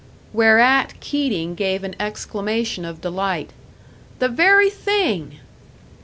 Whereat Keating gave an exclamation of delight. "The very thing!"